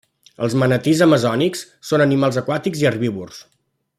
Els manatís amazònics són animals aquàtics i herbívors.